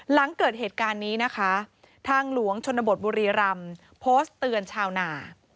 หลังเกิดเหตุการณ์นี้นะคะทางหลวงชนบทบุรีรำโพสต์เตือนชาวนา